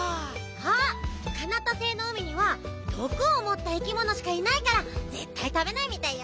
あっカナタ星のうみにはどくをもったいきものしかいないからぜったいたべないみたいよ。